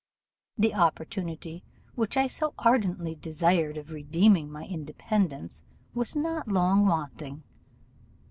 The opportunity which I so ardently desired of redeeming my independence was not long wanting.